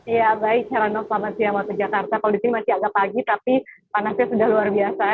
ya baik selamat siang wato jakarta kondisi masih agak pagi tapi panasnya sudah luar biasa